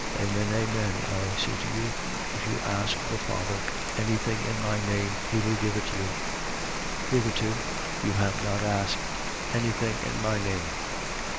Amen, amen, I say to you: if you ask the Father any thing in my name, he will give it you. 16:24. Hitherto, you have not asked any thing in my name.